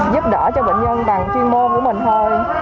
giúp đỡ cho bệnh nhân bằng chuyên môn của mình hơn